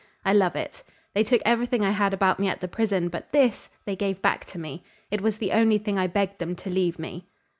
I love it. They took everything I had about me at the prison; but this they gave back to me. It was the only thing I begged them to leave me."